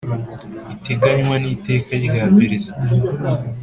iteganywa ni teka rya perezida